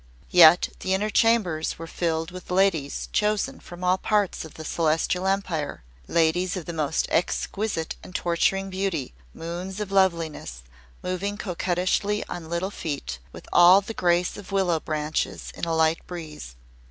Yet the Inner Chambers were filled with ladies chosen from all parts of the Celestial Empire ladies of the most exquisite and torturing beauty, moons of loveliness, moving coquettishly on little feet, with all the grace of willow branches in a light breeze.